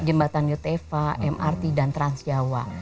jembatan yotefa mrt dan transjawa